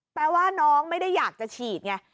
แปลว่าน้องไม่ได้อยากจะฉีดไง